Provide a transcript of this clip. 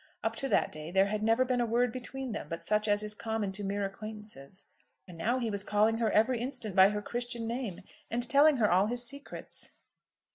Up to that day there had never been a word between them but such as is common to mere acquaintances, and now he was calling her every instant by her Christian name, and telling her all his secrets.